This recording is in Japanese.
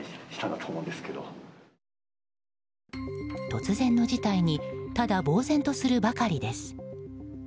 突然の事態にただぼう然とするばかりです。